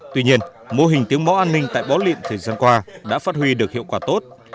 tuy nhiên mô hình tiếng mẫu an ninh tại bó liện thời gian qua đã phát huy được hiệu quả tốt